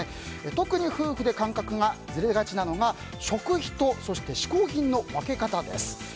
特に夫婦で感覚がずれがちなのが食費と嗜好品の分け方です。